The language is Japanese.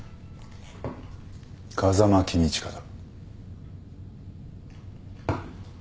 風間公親だ。